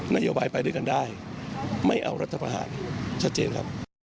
นโยบายไปด้วยกันได้ไม่เอารัฐประหารชัดเจนครับ